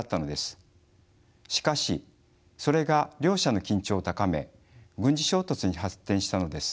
しかしそれが両者の緊張を高め軍事衝突に発展したのです。